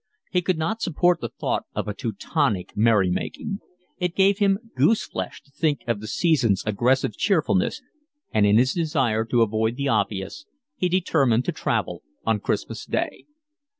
He could not support the thought of a Teutonic merry making. It gave him goose flesh to think of the season's aggressive cheerfulness, and in his desire to avoid the obvious he determined to travel on Christmas Eve.